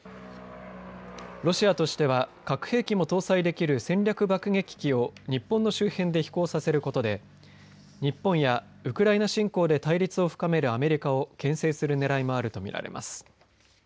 ロシアとしては核兵器も搭載できる戦略爆撃機を日本の周辺で飛行させることで日本やウクライナ侵攻で対立を深めるアメリカをけん制するねらいもあると見られます。